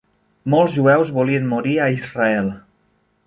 Molts jueus volien morir a Israel.